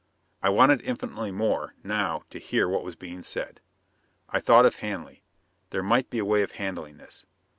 I wanted infinitely more, now, to hear what was being said. I thought of Hanley. There might be a way of handling this.